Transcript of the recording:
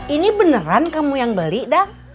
ini beneran kamu yang beli dah